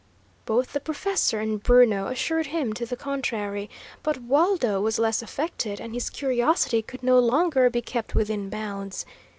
Both the professor and Bruno assured him to the contrary, but Waldo was less affected, and his curiosity could no longer be kept within bounds.